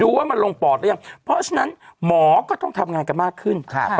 ว่ามันลงปอดหรือยังเพราะฉะนั้นหมอก็ต้องทำงานกันมากขึ้น